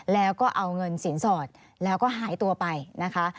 แล้วก็เอาเงินสินสอดแล้วก็หายตัวไปนะคะ